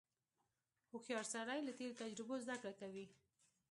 • هوښیار سړی له تېرو تجربو زدهکړه کوي.